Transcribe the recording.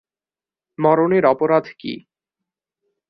মরণের অপরাধ কী?